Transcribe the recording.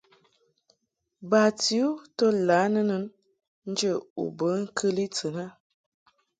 Bati u to lǎ nɨnɨn njə u be ŋkɨli tɨn a.